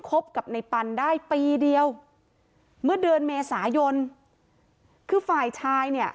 บกับในปันได้ปีเดียวเมื่อเดือนเมษายนคือฝ่ายชายเนี่ย